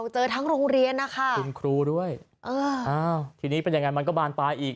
เจอทั้งโรงเรียนนะคะคุณครูด้วยเอออ้าวทีนี้เป็นยังไงมันก็บานปลายอีก